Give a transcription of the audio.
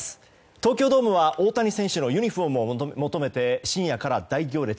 東京ドームは大谷選手のユニホームを求めて深夜から大行列。